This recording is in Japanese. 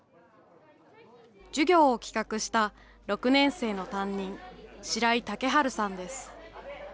授業を企画した６年生の担任、白井健元さんです。